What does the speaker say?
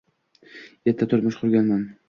Erta turmush qurganman